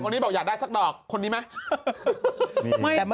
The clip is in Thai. บอกอยากได้สักดอกคนนี้ไหม